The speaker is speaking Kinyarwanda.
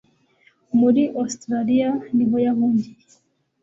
muri Australia niho yahungiye